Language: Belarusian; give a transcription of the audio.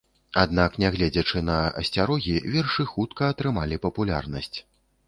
Аднак, нягледзячы на асцярогі, вершы хутка атрымалі папулярнасць.